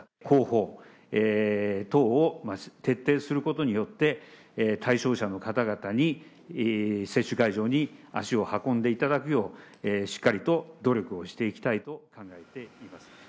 広報等を徹底することによって、対象者の方々に接種会場に足を運んでいただくよう、しっかりと努力をしていきたいと考えています。